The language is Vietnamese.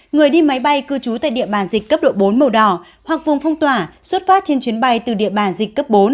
người đi máy bay cư trú tại địa bàn dịch cấp độ bốn màu đỏ hoặc vùng phong tỏa xuất phát trên chuyến bay từ địa bàn dịch cấp bốn